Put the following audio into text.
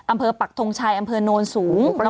อำเภอปักทงชัยอำเภอนนท์สูง